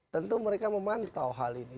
tentu mereka memantau hal ini